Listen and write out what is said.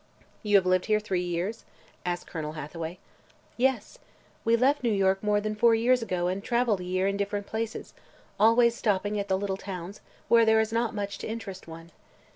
"You have lived here three years?" asked Colonel Hathaway. "Yes. We left New York more than four years ago and traveled a year in different places, always stopping at the little towns, where there is not much to interest one.